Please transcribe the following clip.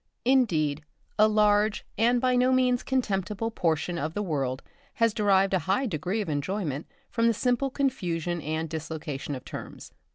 Indeed, a large and by no means contemptible portion of the world have derived a high degree of enjoyment from the simple confusion and dislocation of terms.